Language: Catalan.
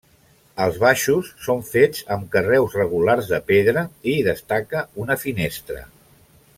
Els baixos són fets amb carreus regulars de pedra i hi destaca una finestra.